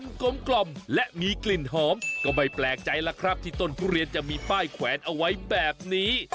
มันกลมกล่อมและมีกลิ่นหอมก็ไม่แปลกใจแล้วครับที่ต้นทุเรียนจะมีป้ายแขวนเอาไว้แบบนี้